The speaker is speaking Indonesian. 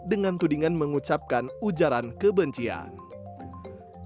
dengan tudingan mengucapkan ujaran kebencian